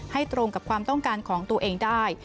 ตรงกับความต้องการของตัวเองได้